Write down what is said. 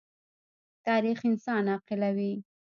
تاریخ انسان عاقلوي.